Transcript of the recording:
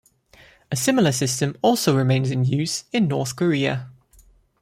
A similar system also remains in use in North Korea.